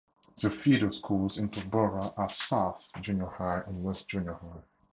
The feeder schools into Borah are South Junior High and West Junior High.